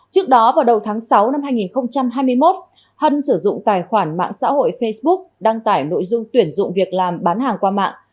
trước đó vào đầu tháng sáu năm hai nghìn hai mươi một hân sử dụng tài khoản mạng xã hội facebook đăng tải nội dung tuyển dụng việc làm bán hàng qua mạng